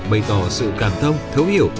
bày tỏ sự cảm thông thấu hiểu